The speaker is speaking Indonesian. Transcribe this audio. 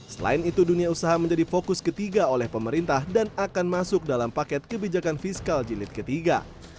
selain itu dunia usaha menjadi fokus ketiga oleh pemerintah dan akan masuk dalam paket kebijakan fiskal jilid ketiga